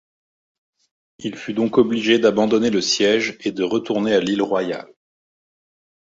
Il fut donc obligé d'abandonner le siège et de retourner à l'Île Royale.